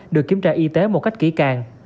được kiểm tra y tế một cách kỹ càng